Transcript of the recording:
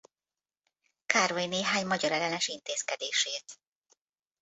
Károly néhány magyarellenes intézkedését.